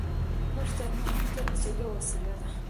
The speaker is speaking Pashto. کورس د ارمانونو ته رسیدو وسیله ده.